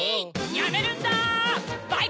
やめるんだ！